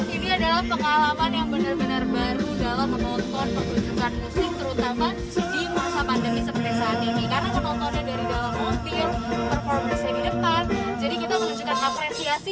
ini adalah pengalaman yang benar benar baru dalam memotong penunjukan musik terutama di masa pandemi seperti saat ini